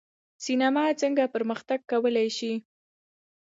سینما څنګه پرمختګ کولی شي؟